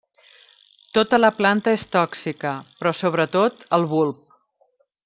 Tota la planta és tòxica, però sobretot el bulb.